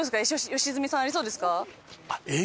良純さんありそうですか？